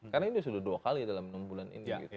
karena ini sudah dua kali dalam menumbuhkan ini